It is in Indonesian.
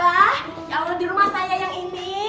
ya allah dirumah saya yang ini